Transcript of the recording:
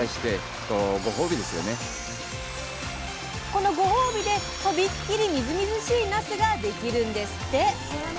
このご褒美でとびっきりみずみずしいなすができるんですって！